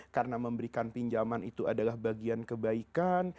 karena memberikan pinjaman itu adalah bagian kebaikan